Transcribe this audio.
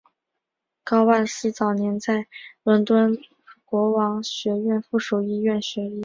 高万斯早年在伦敦国王学院附属医院学医。